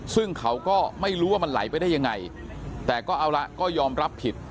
ซึ่งเขาก็ไม่รู้ว่ามันไหลไปได้ยังไงแต่ก็เอาละก็ยอมรับผิด